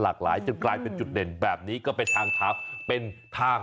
หลายจนกลายเป็นจุดเด่นแบบนี้ก็เป็นทางเท้าเป็นทาง